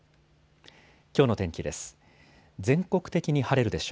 きょうの天気です。